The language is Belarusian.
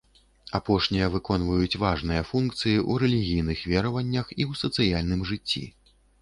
Апошнія выконваюць важныя функцыі ў рэлігійных вераваннях і ў сацыяльным жыцці.